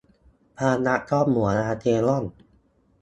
ความรักก็เหมือนอาร์เซนอล